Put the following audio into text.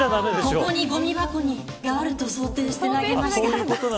ここにごみ箱があると想定して投げました。